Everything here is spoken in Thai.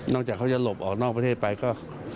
จากเขาจะหลบออกนอกประเทศไปก็